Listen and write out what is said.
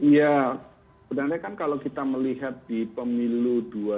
ya sebenarnya kan kalau kita melihat di pemilu dua ribu dua puluh